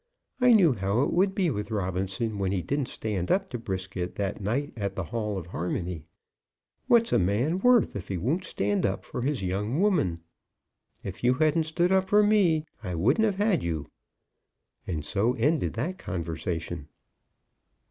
I knew how it would be with Robinson when he didn't stand up to Brisket that night at the Hall of Harmony. What's a man worth if he won't stand up for his young woman? If you hadn't stood up for me I wouldn't have had you." And so ended that conversation.